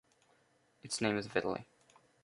Its name is Vitali.